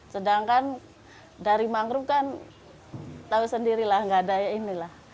sedangkan dari mangrove kan tahu sendiri lah nggak ada ini lah